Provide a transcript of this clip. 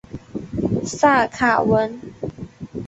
萨卡文。